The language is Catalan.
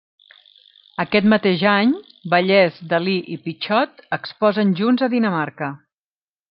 Aquest mateix any, Vallès, Dalí i Pitxot exposen junts a Dinamarca.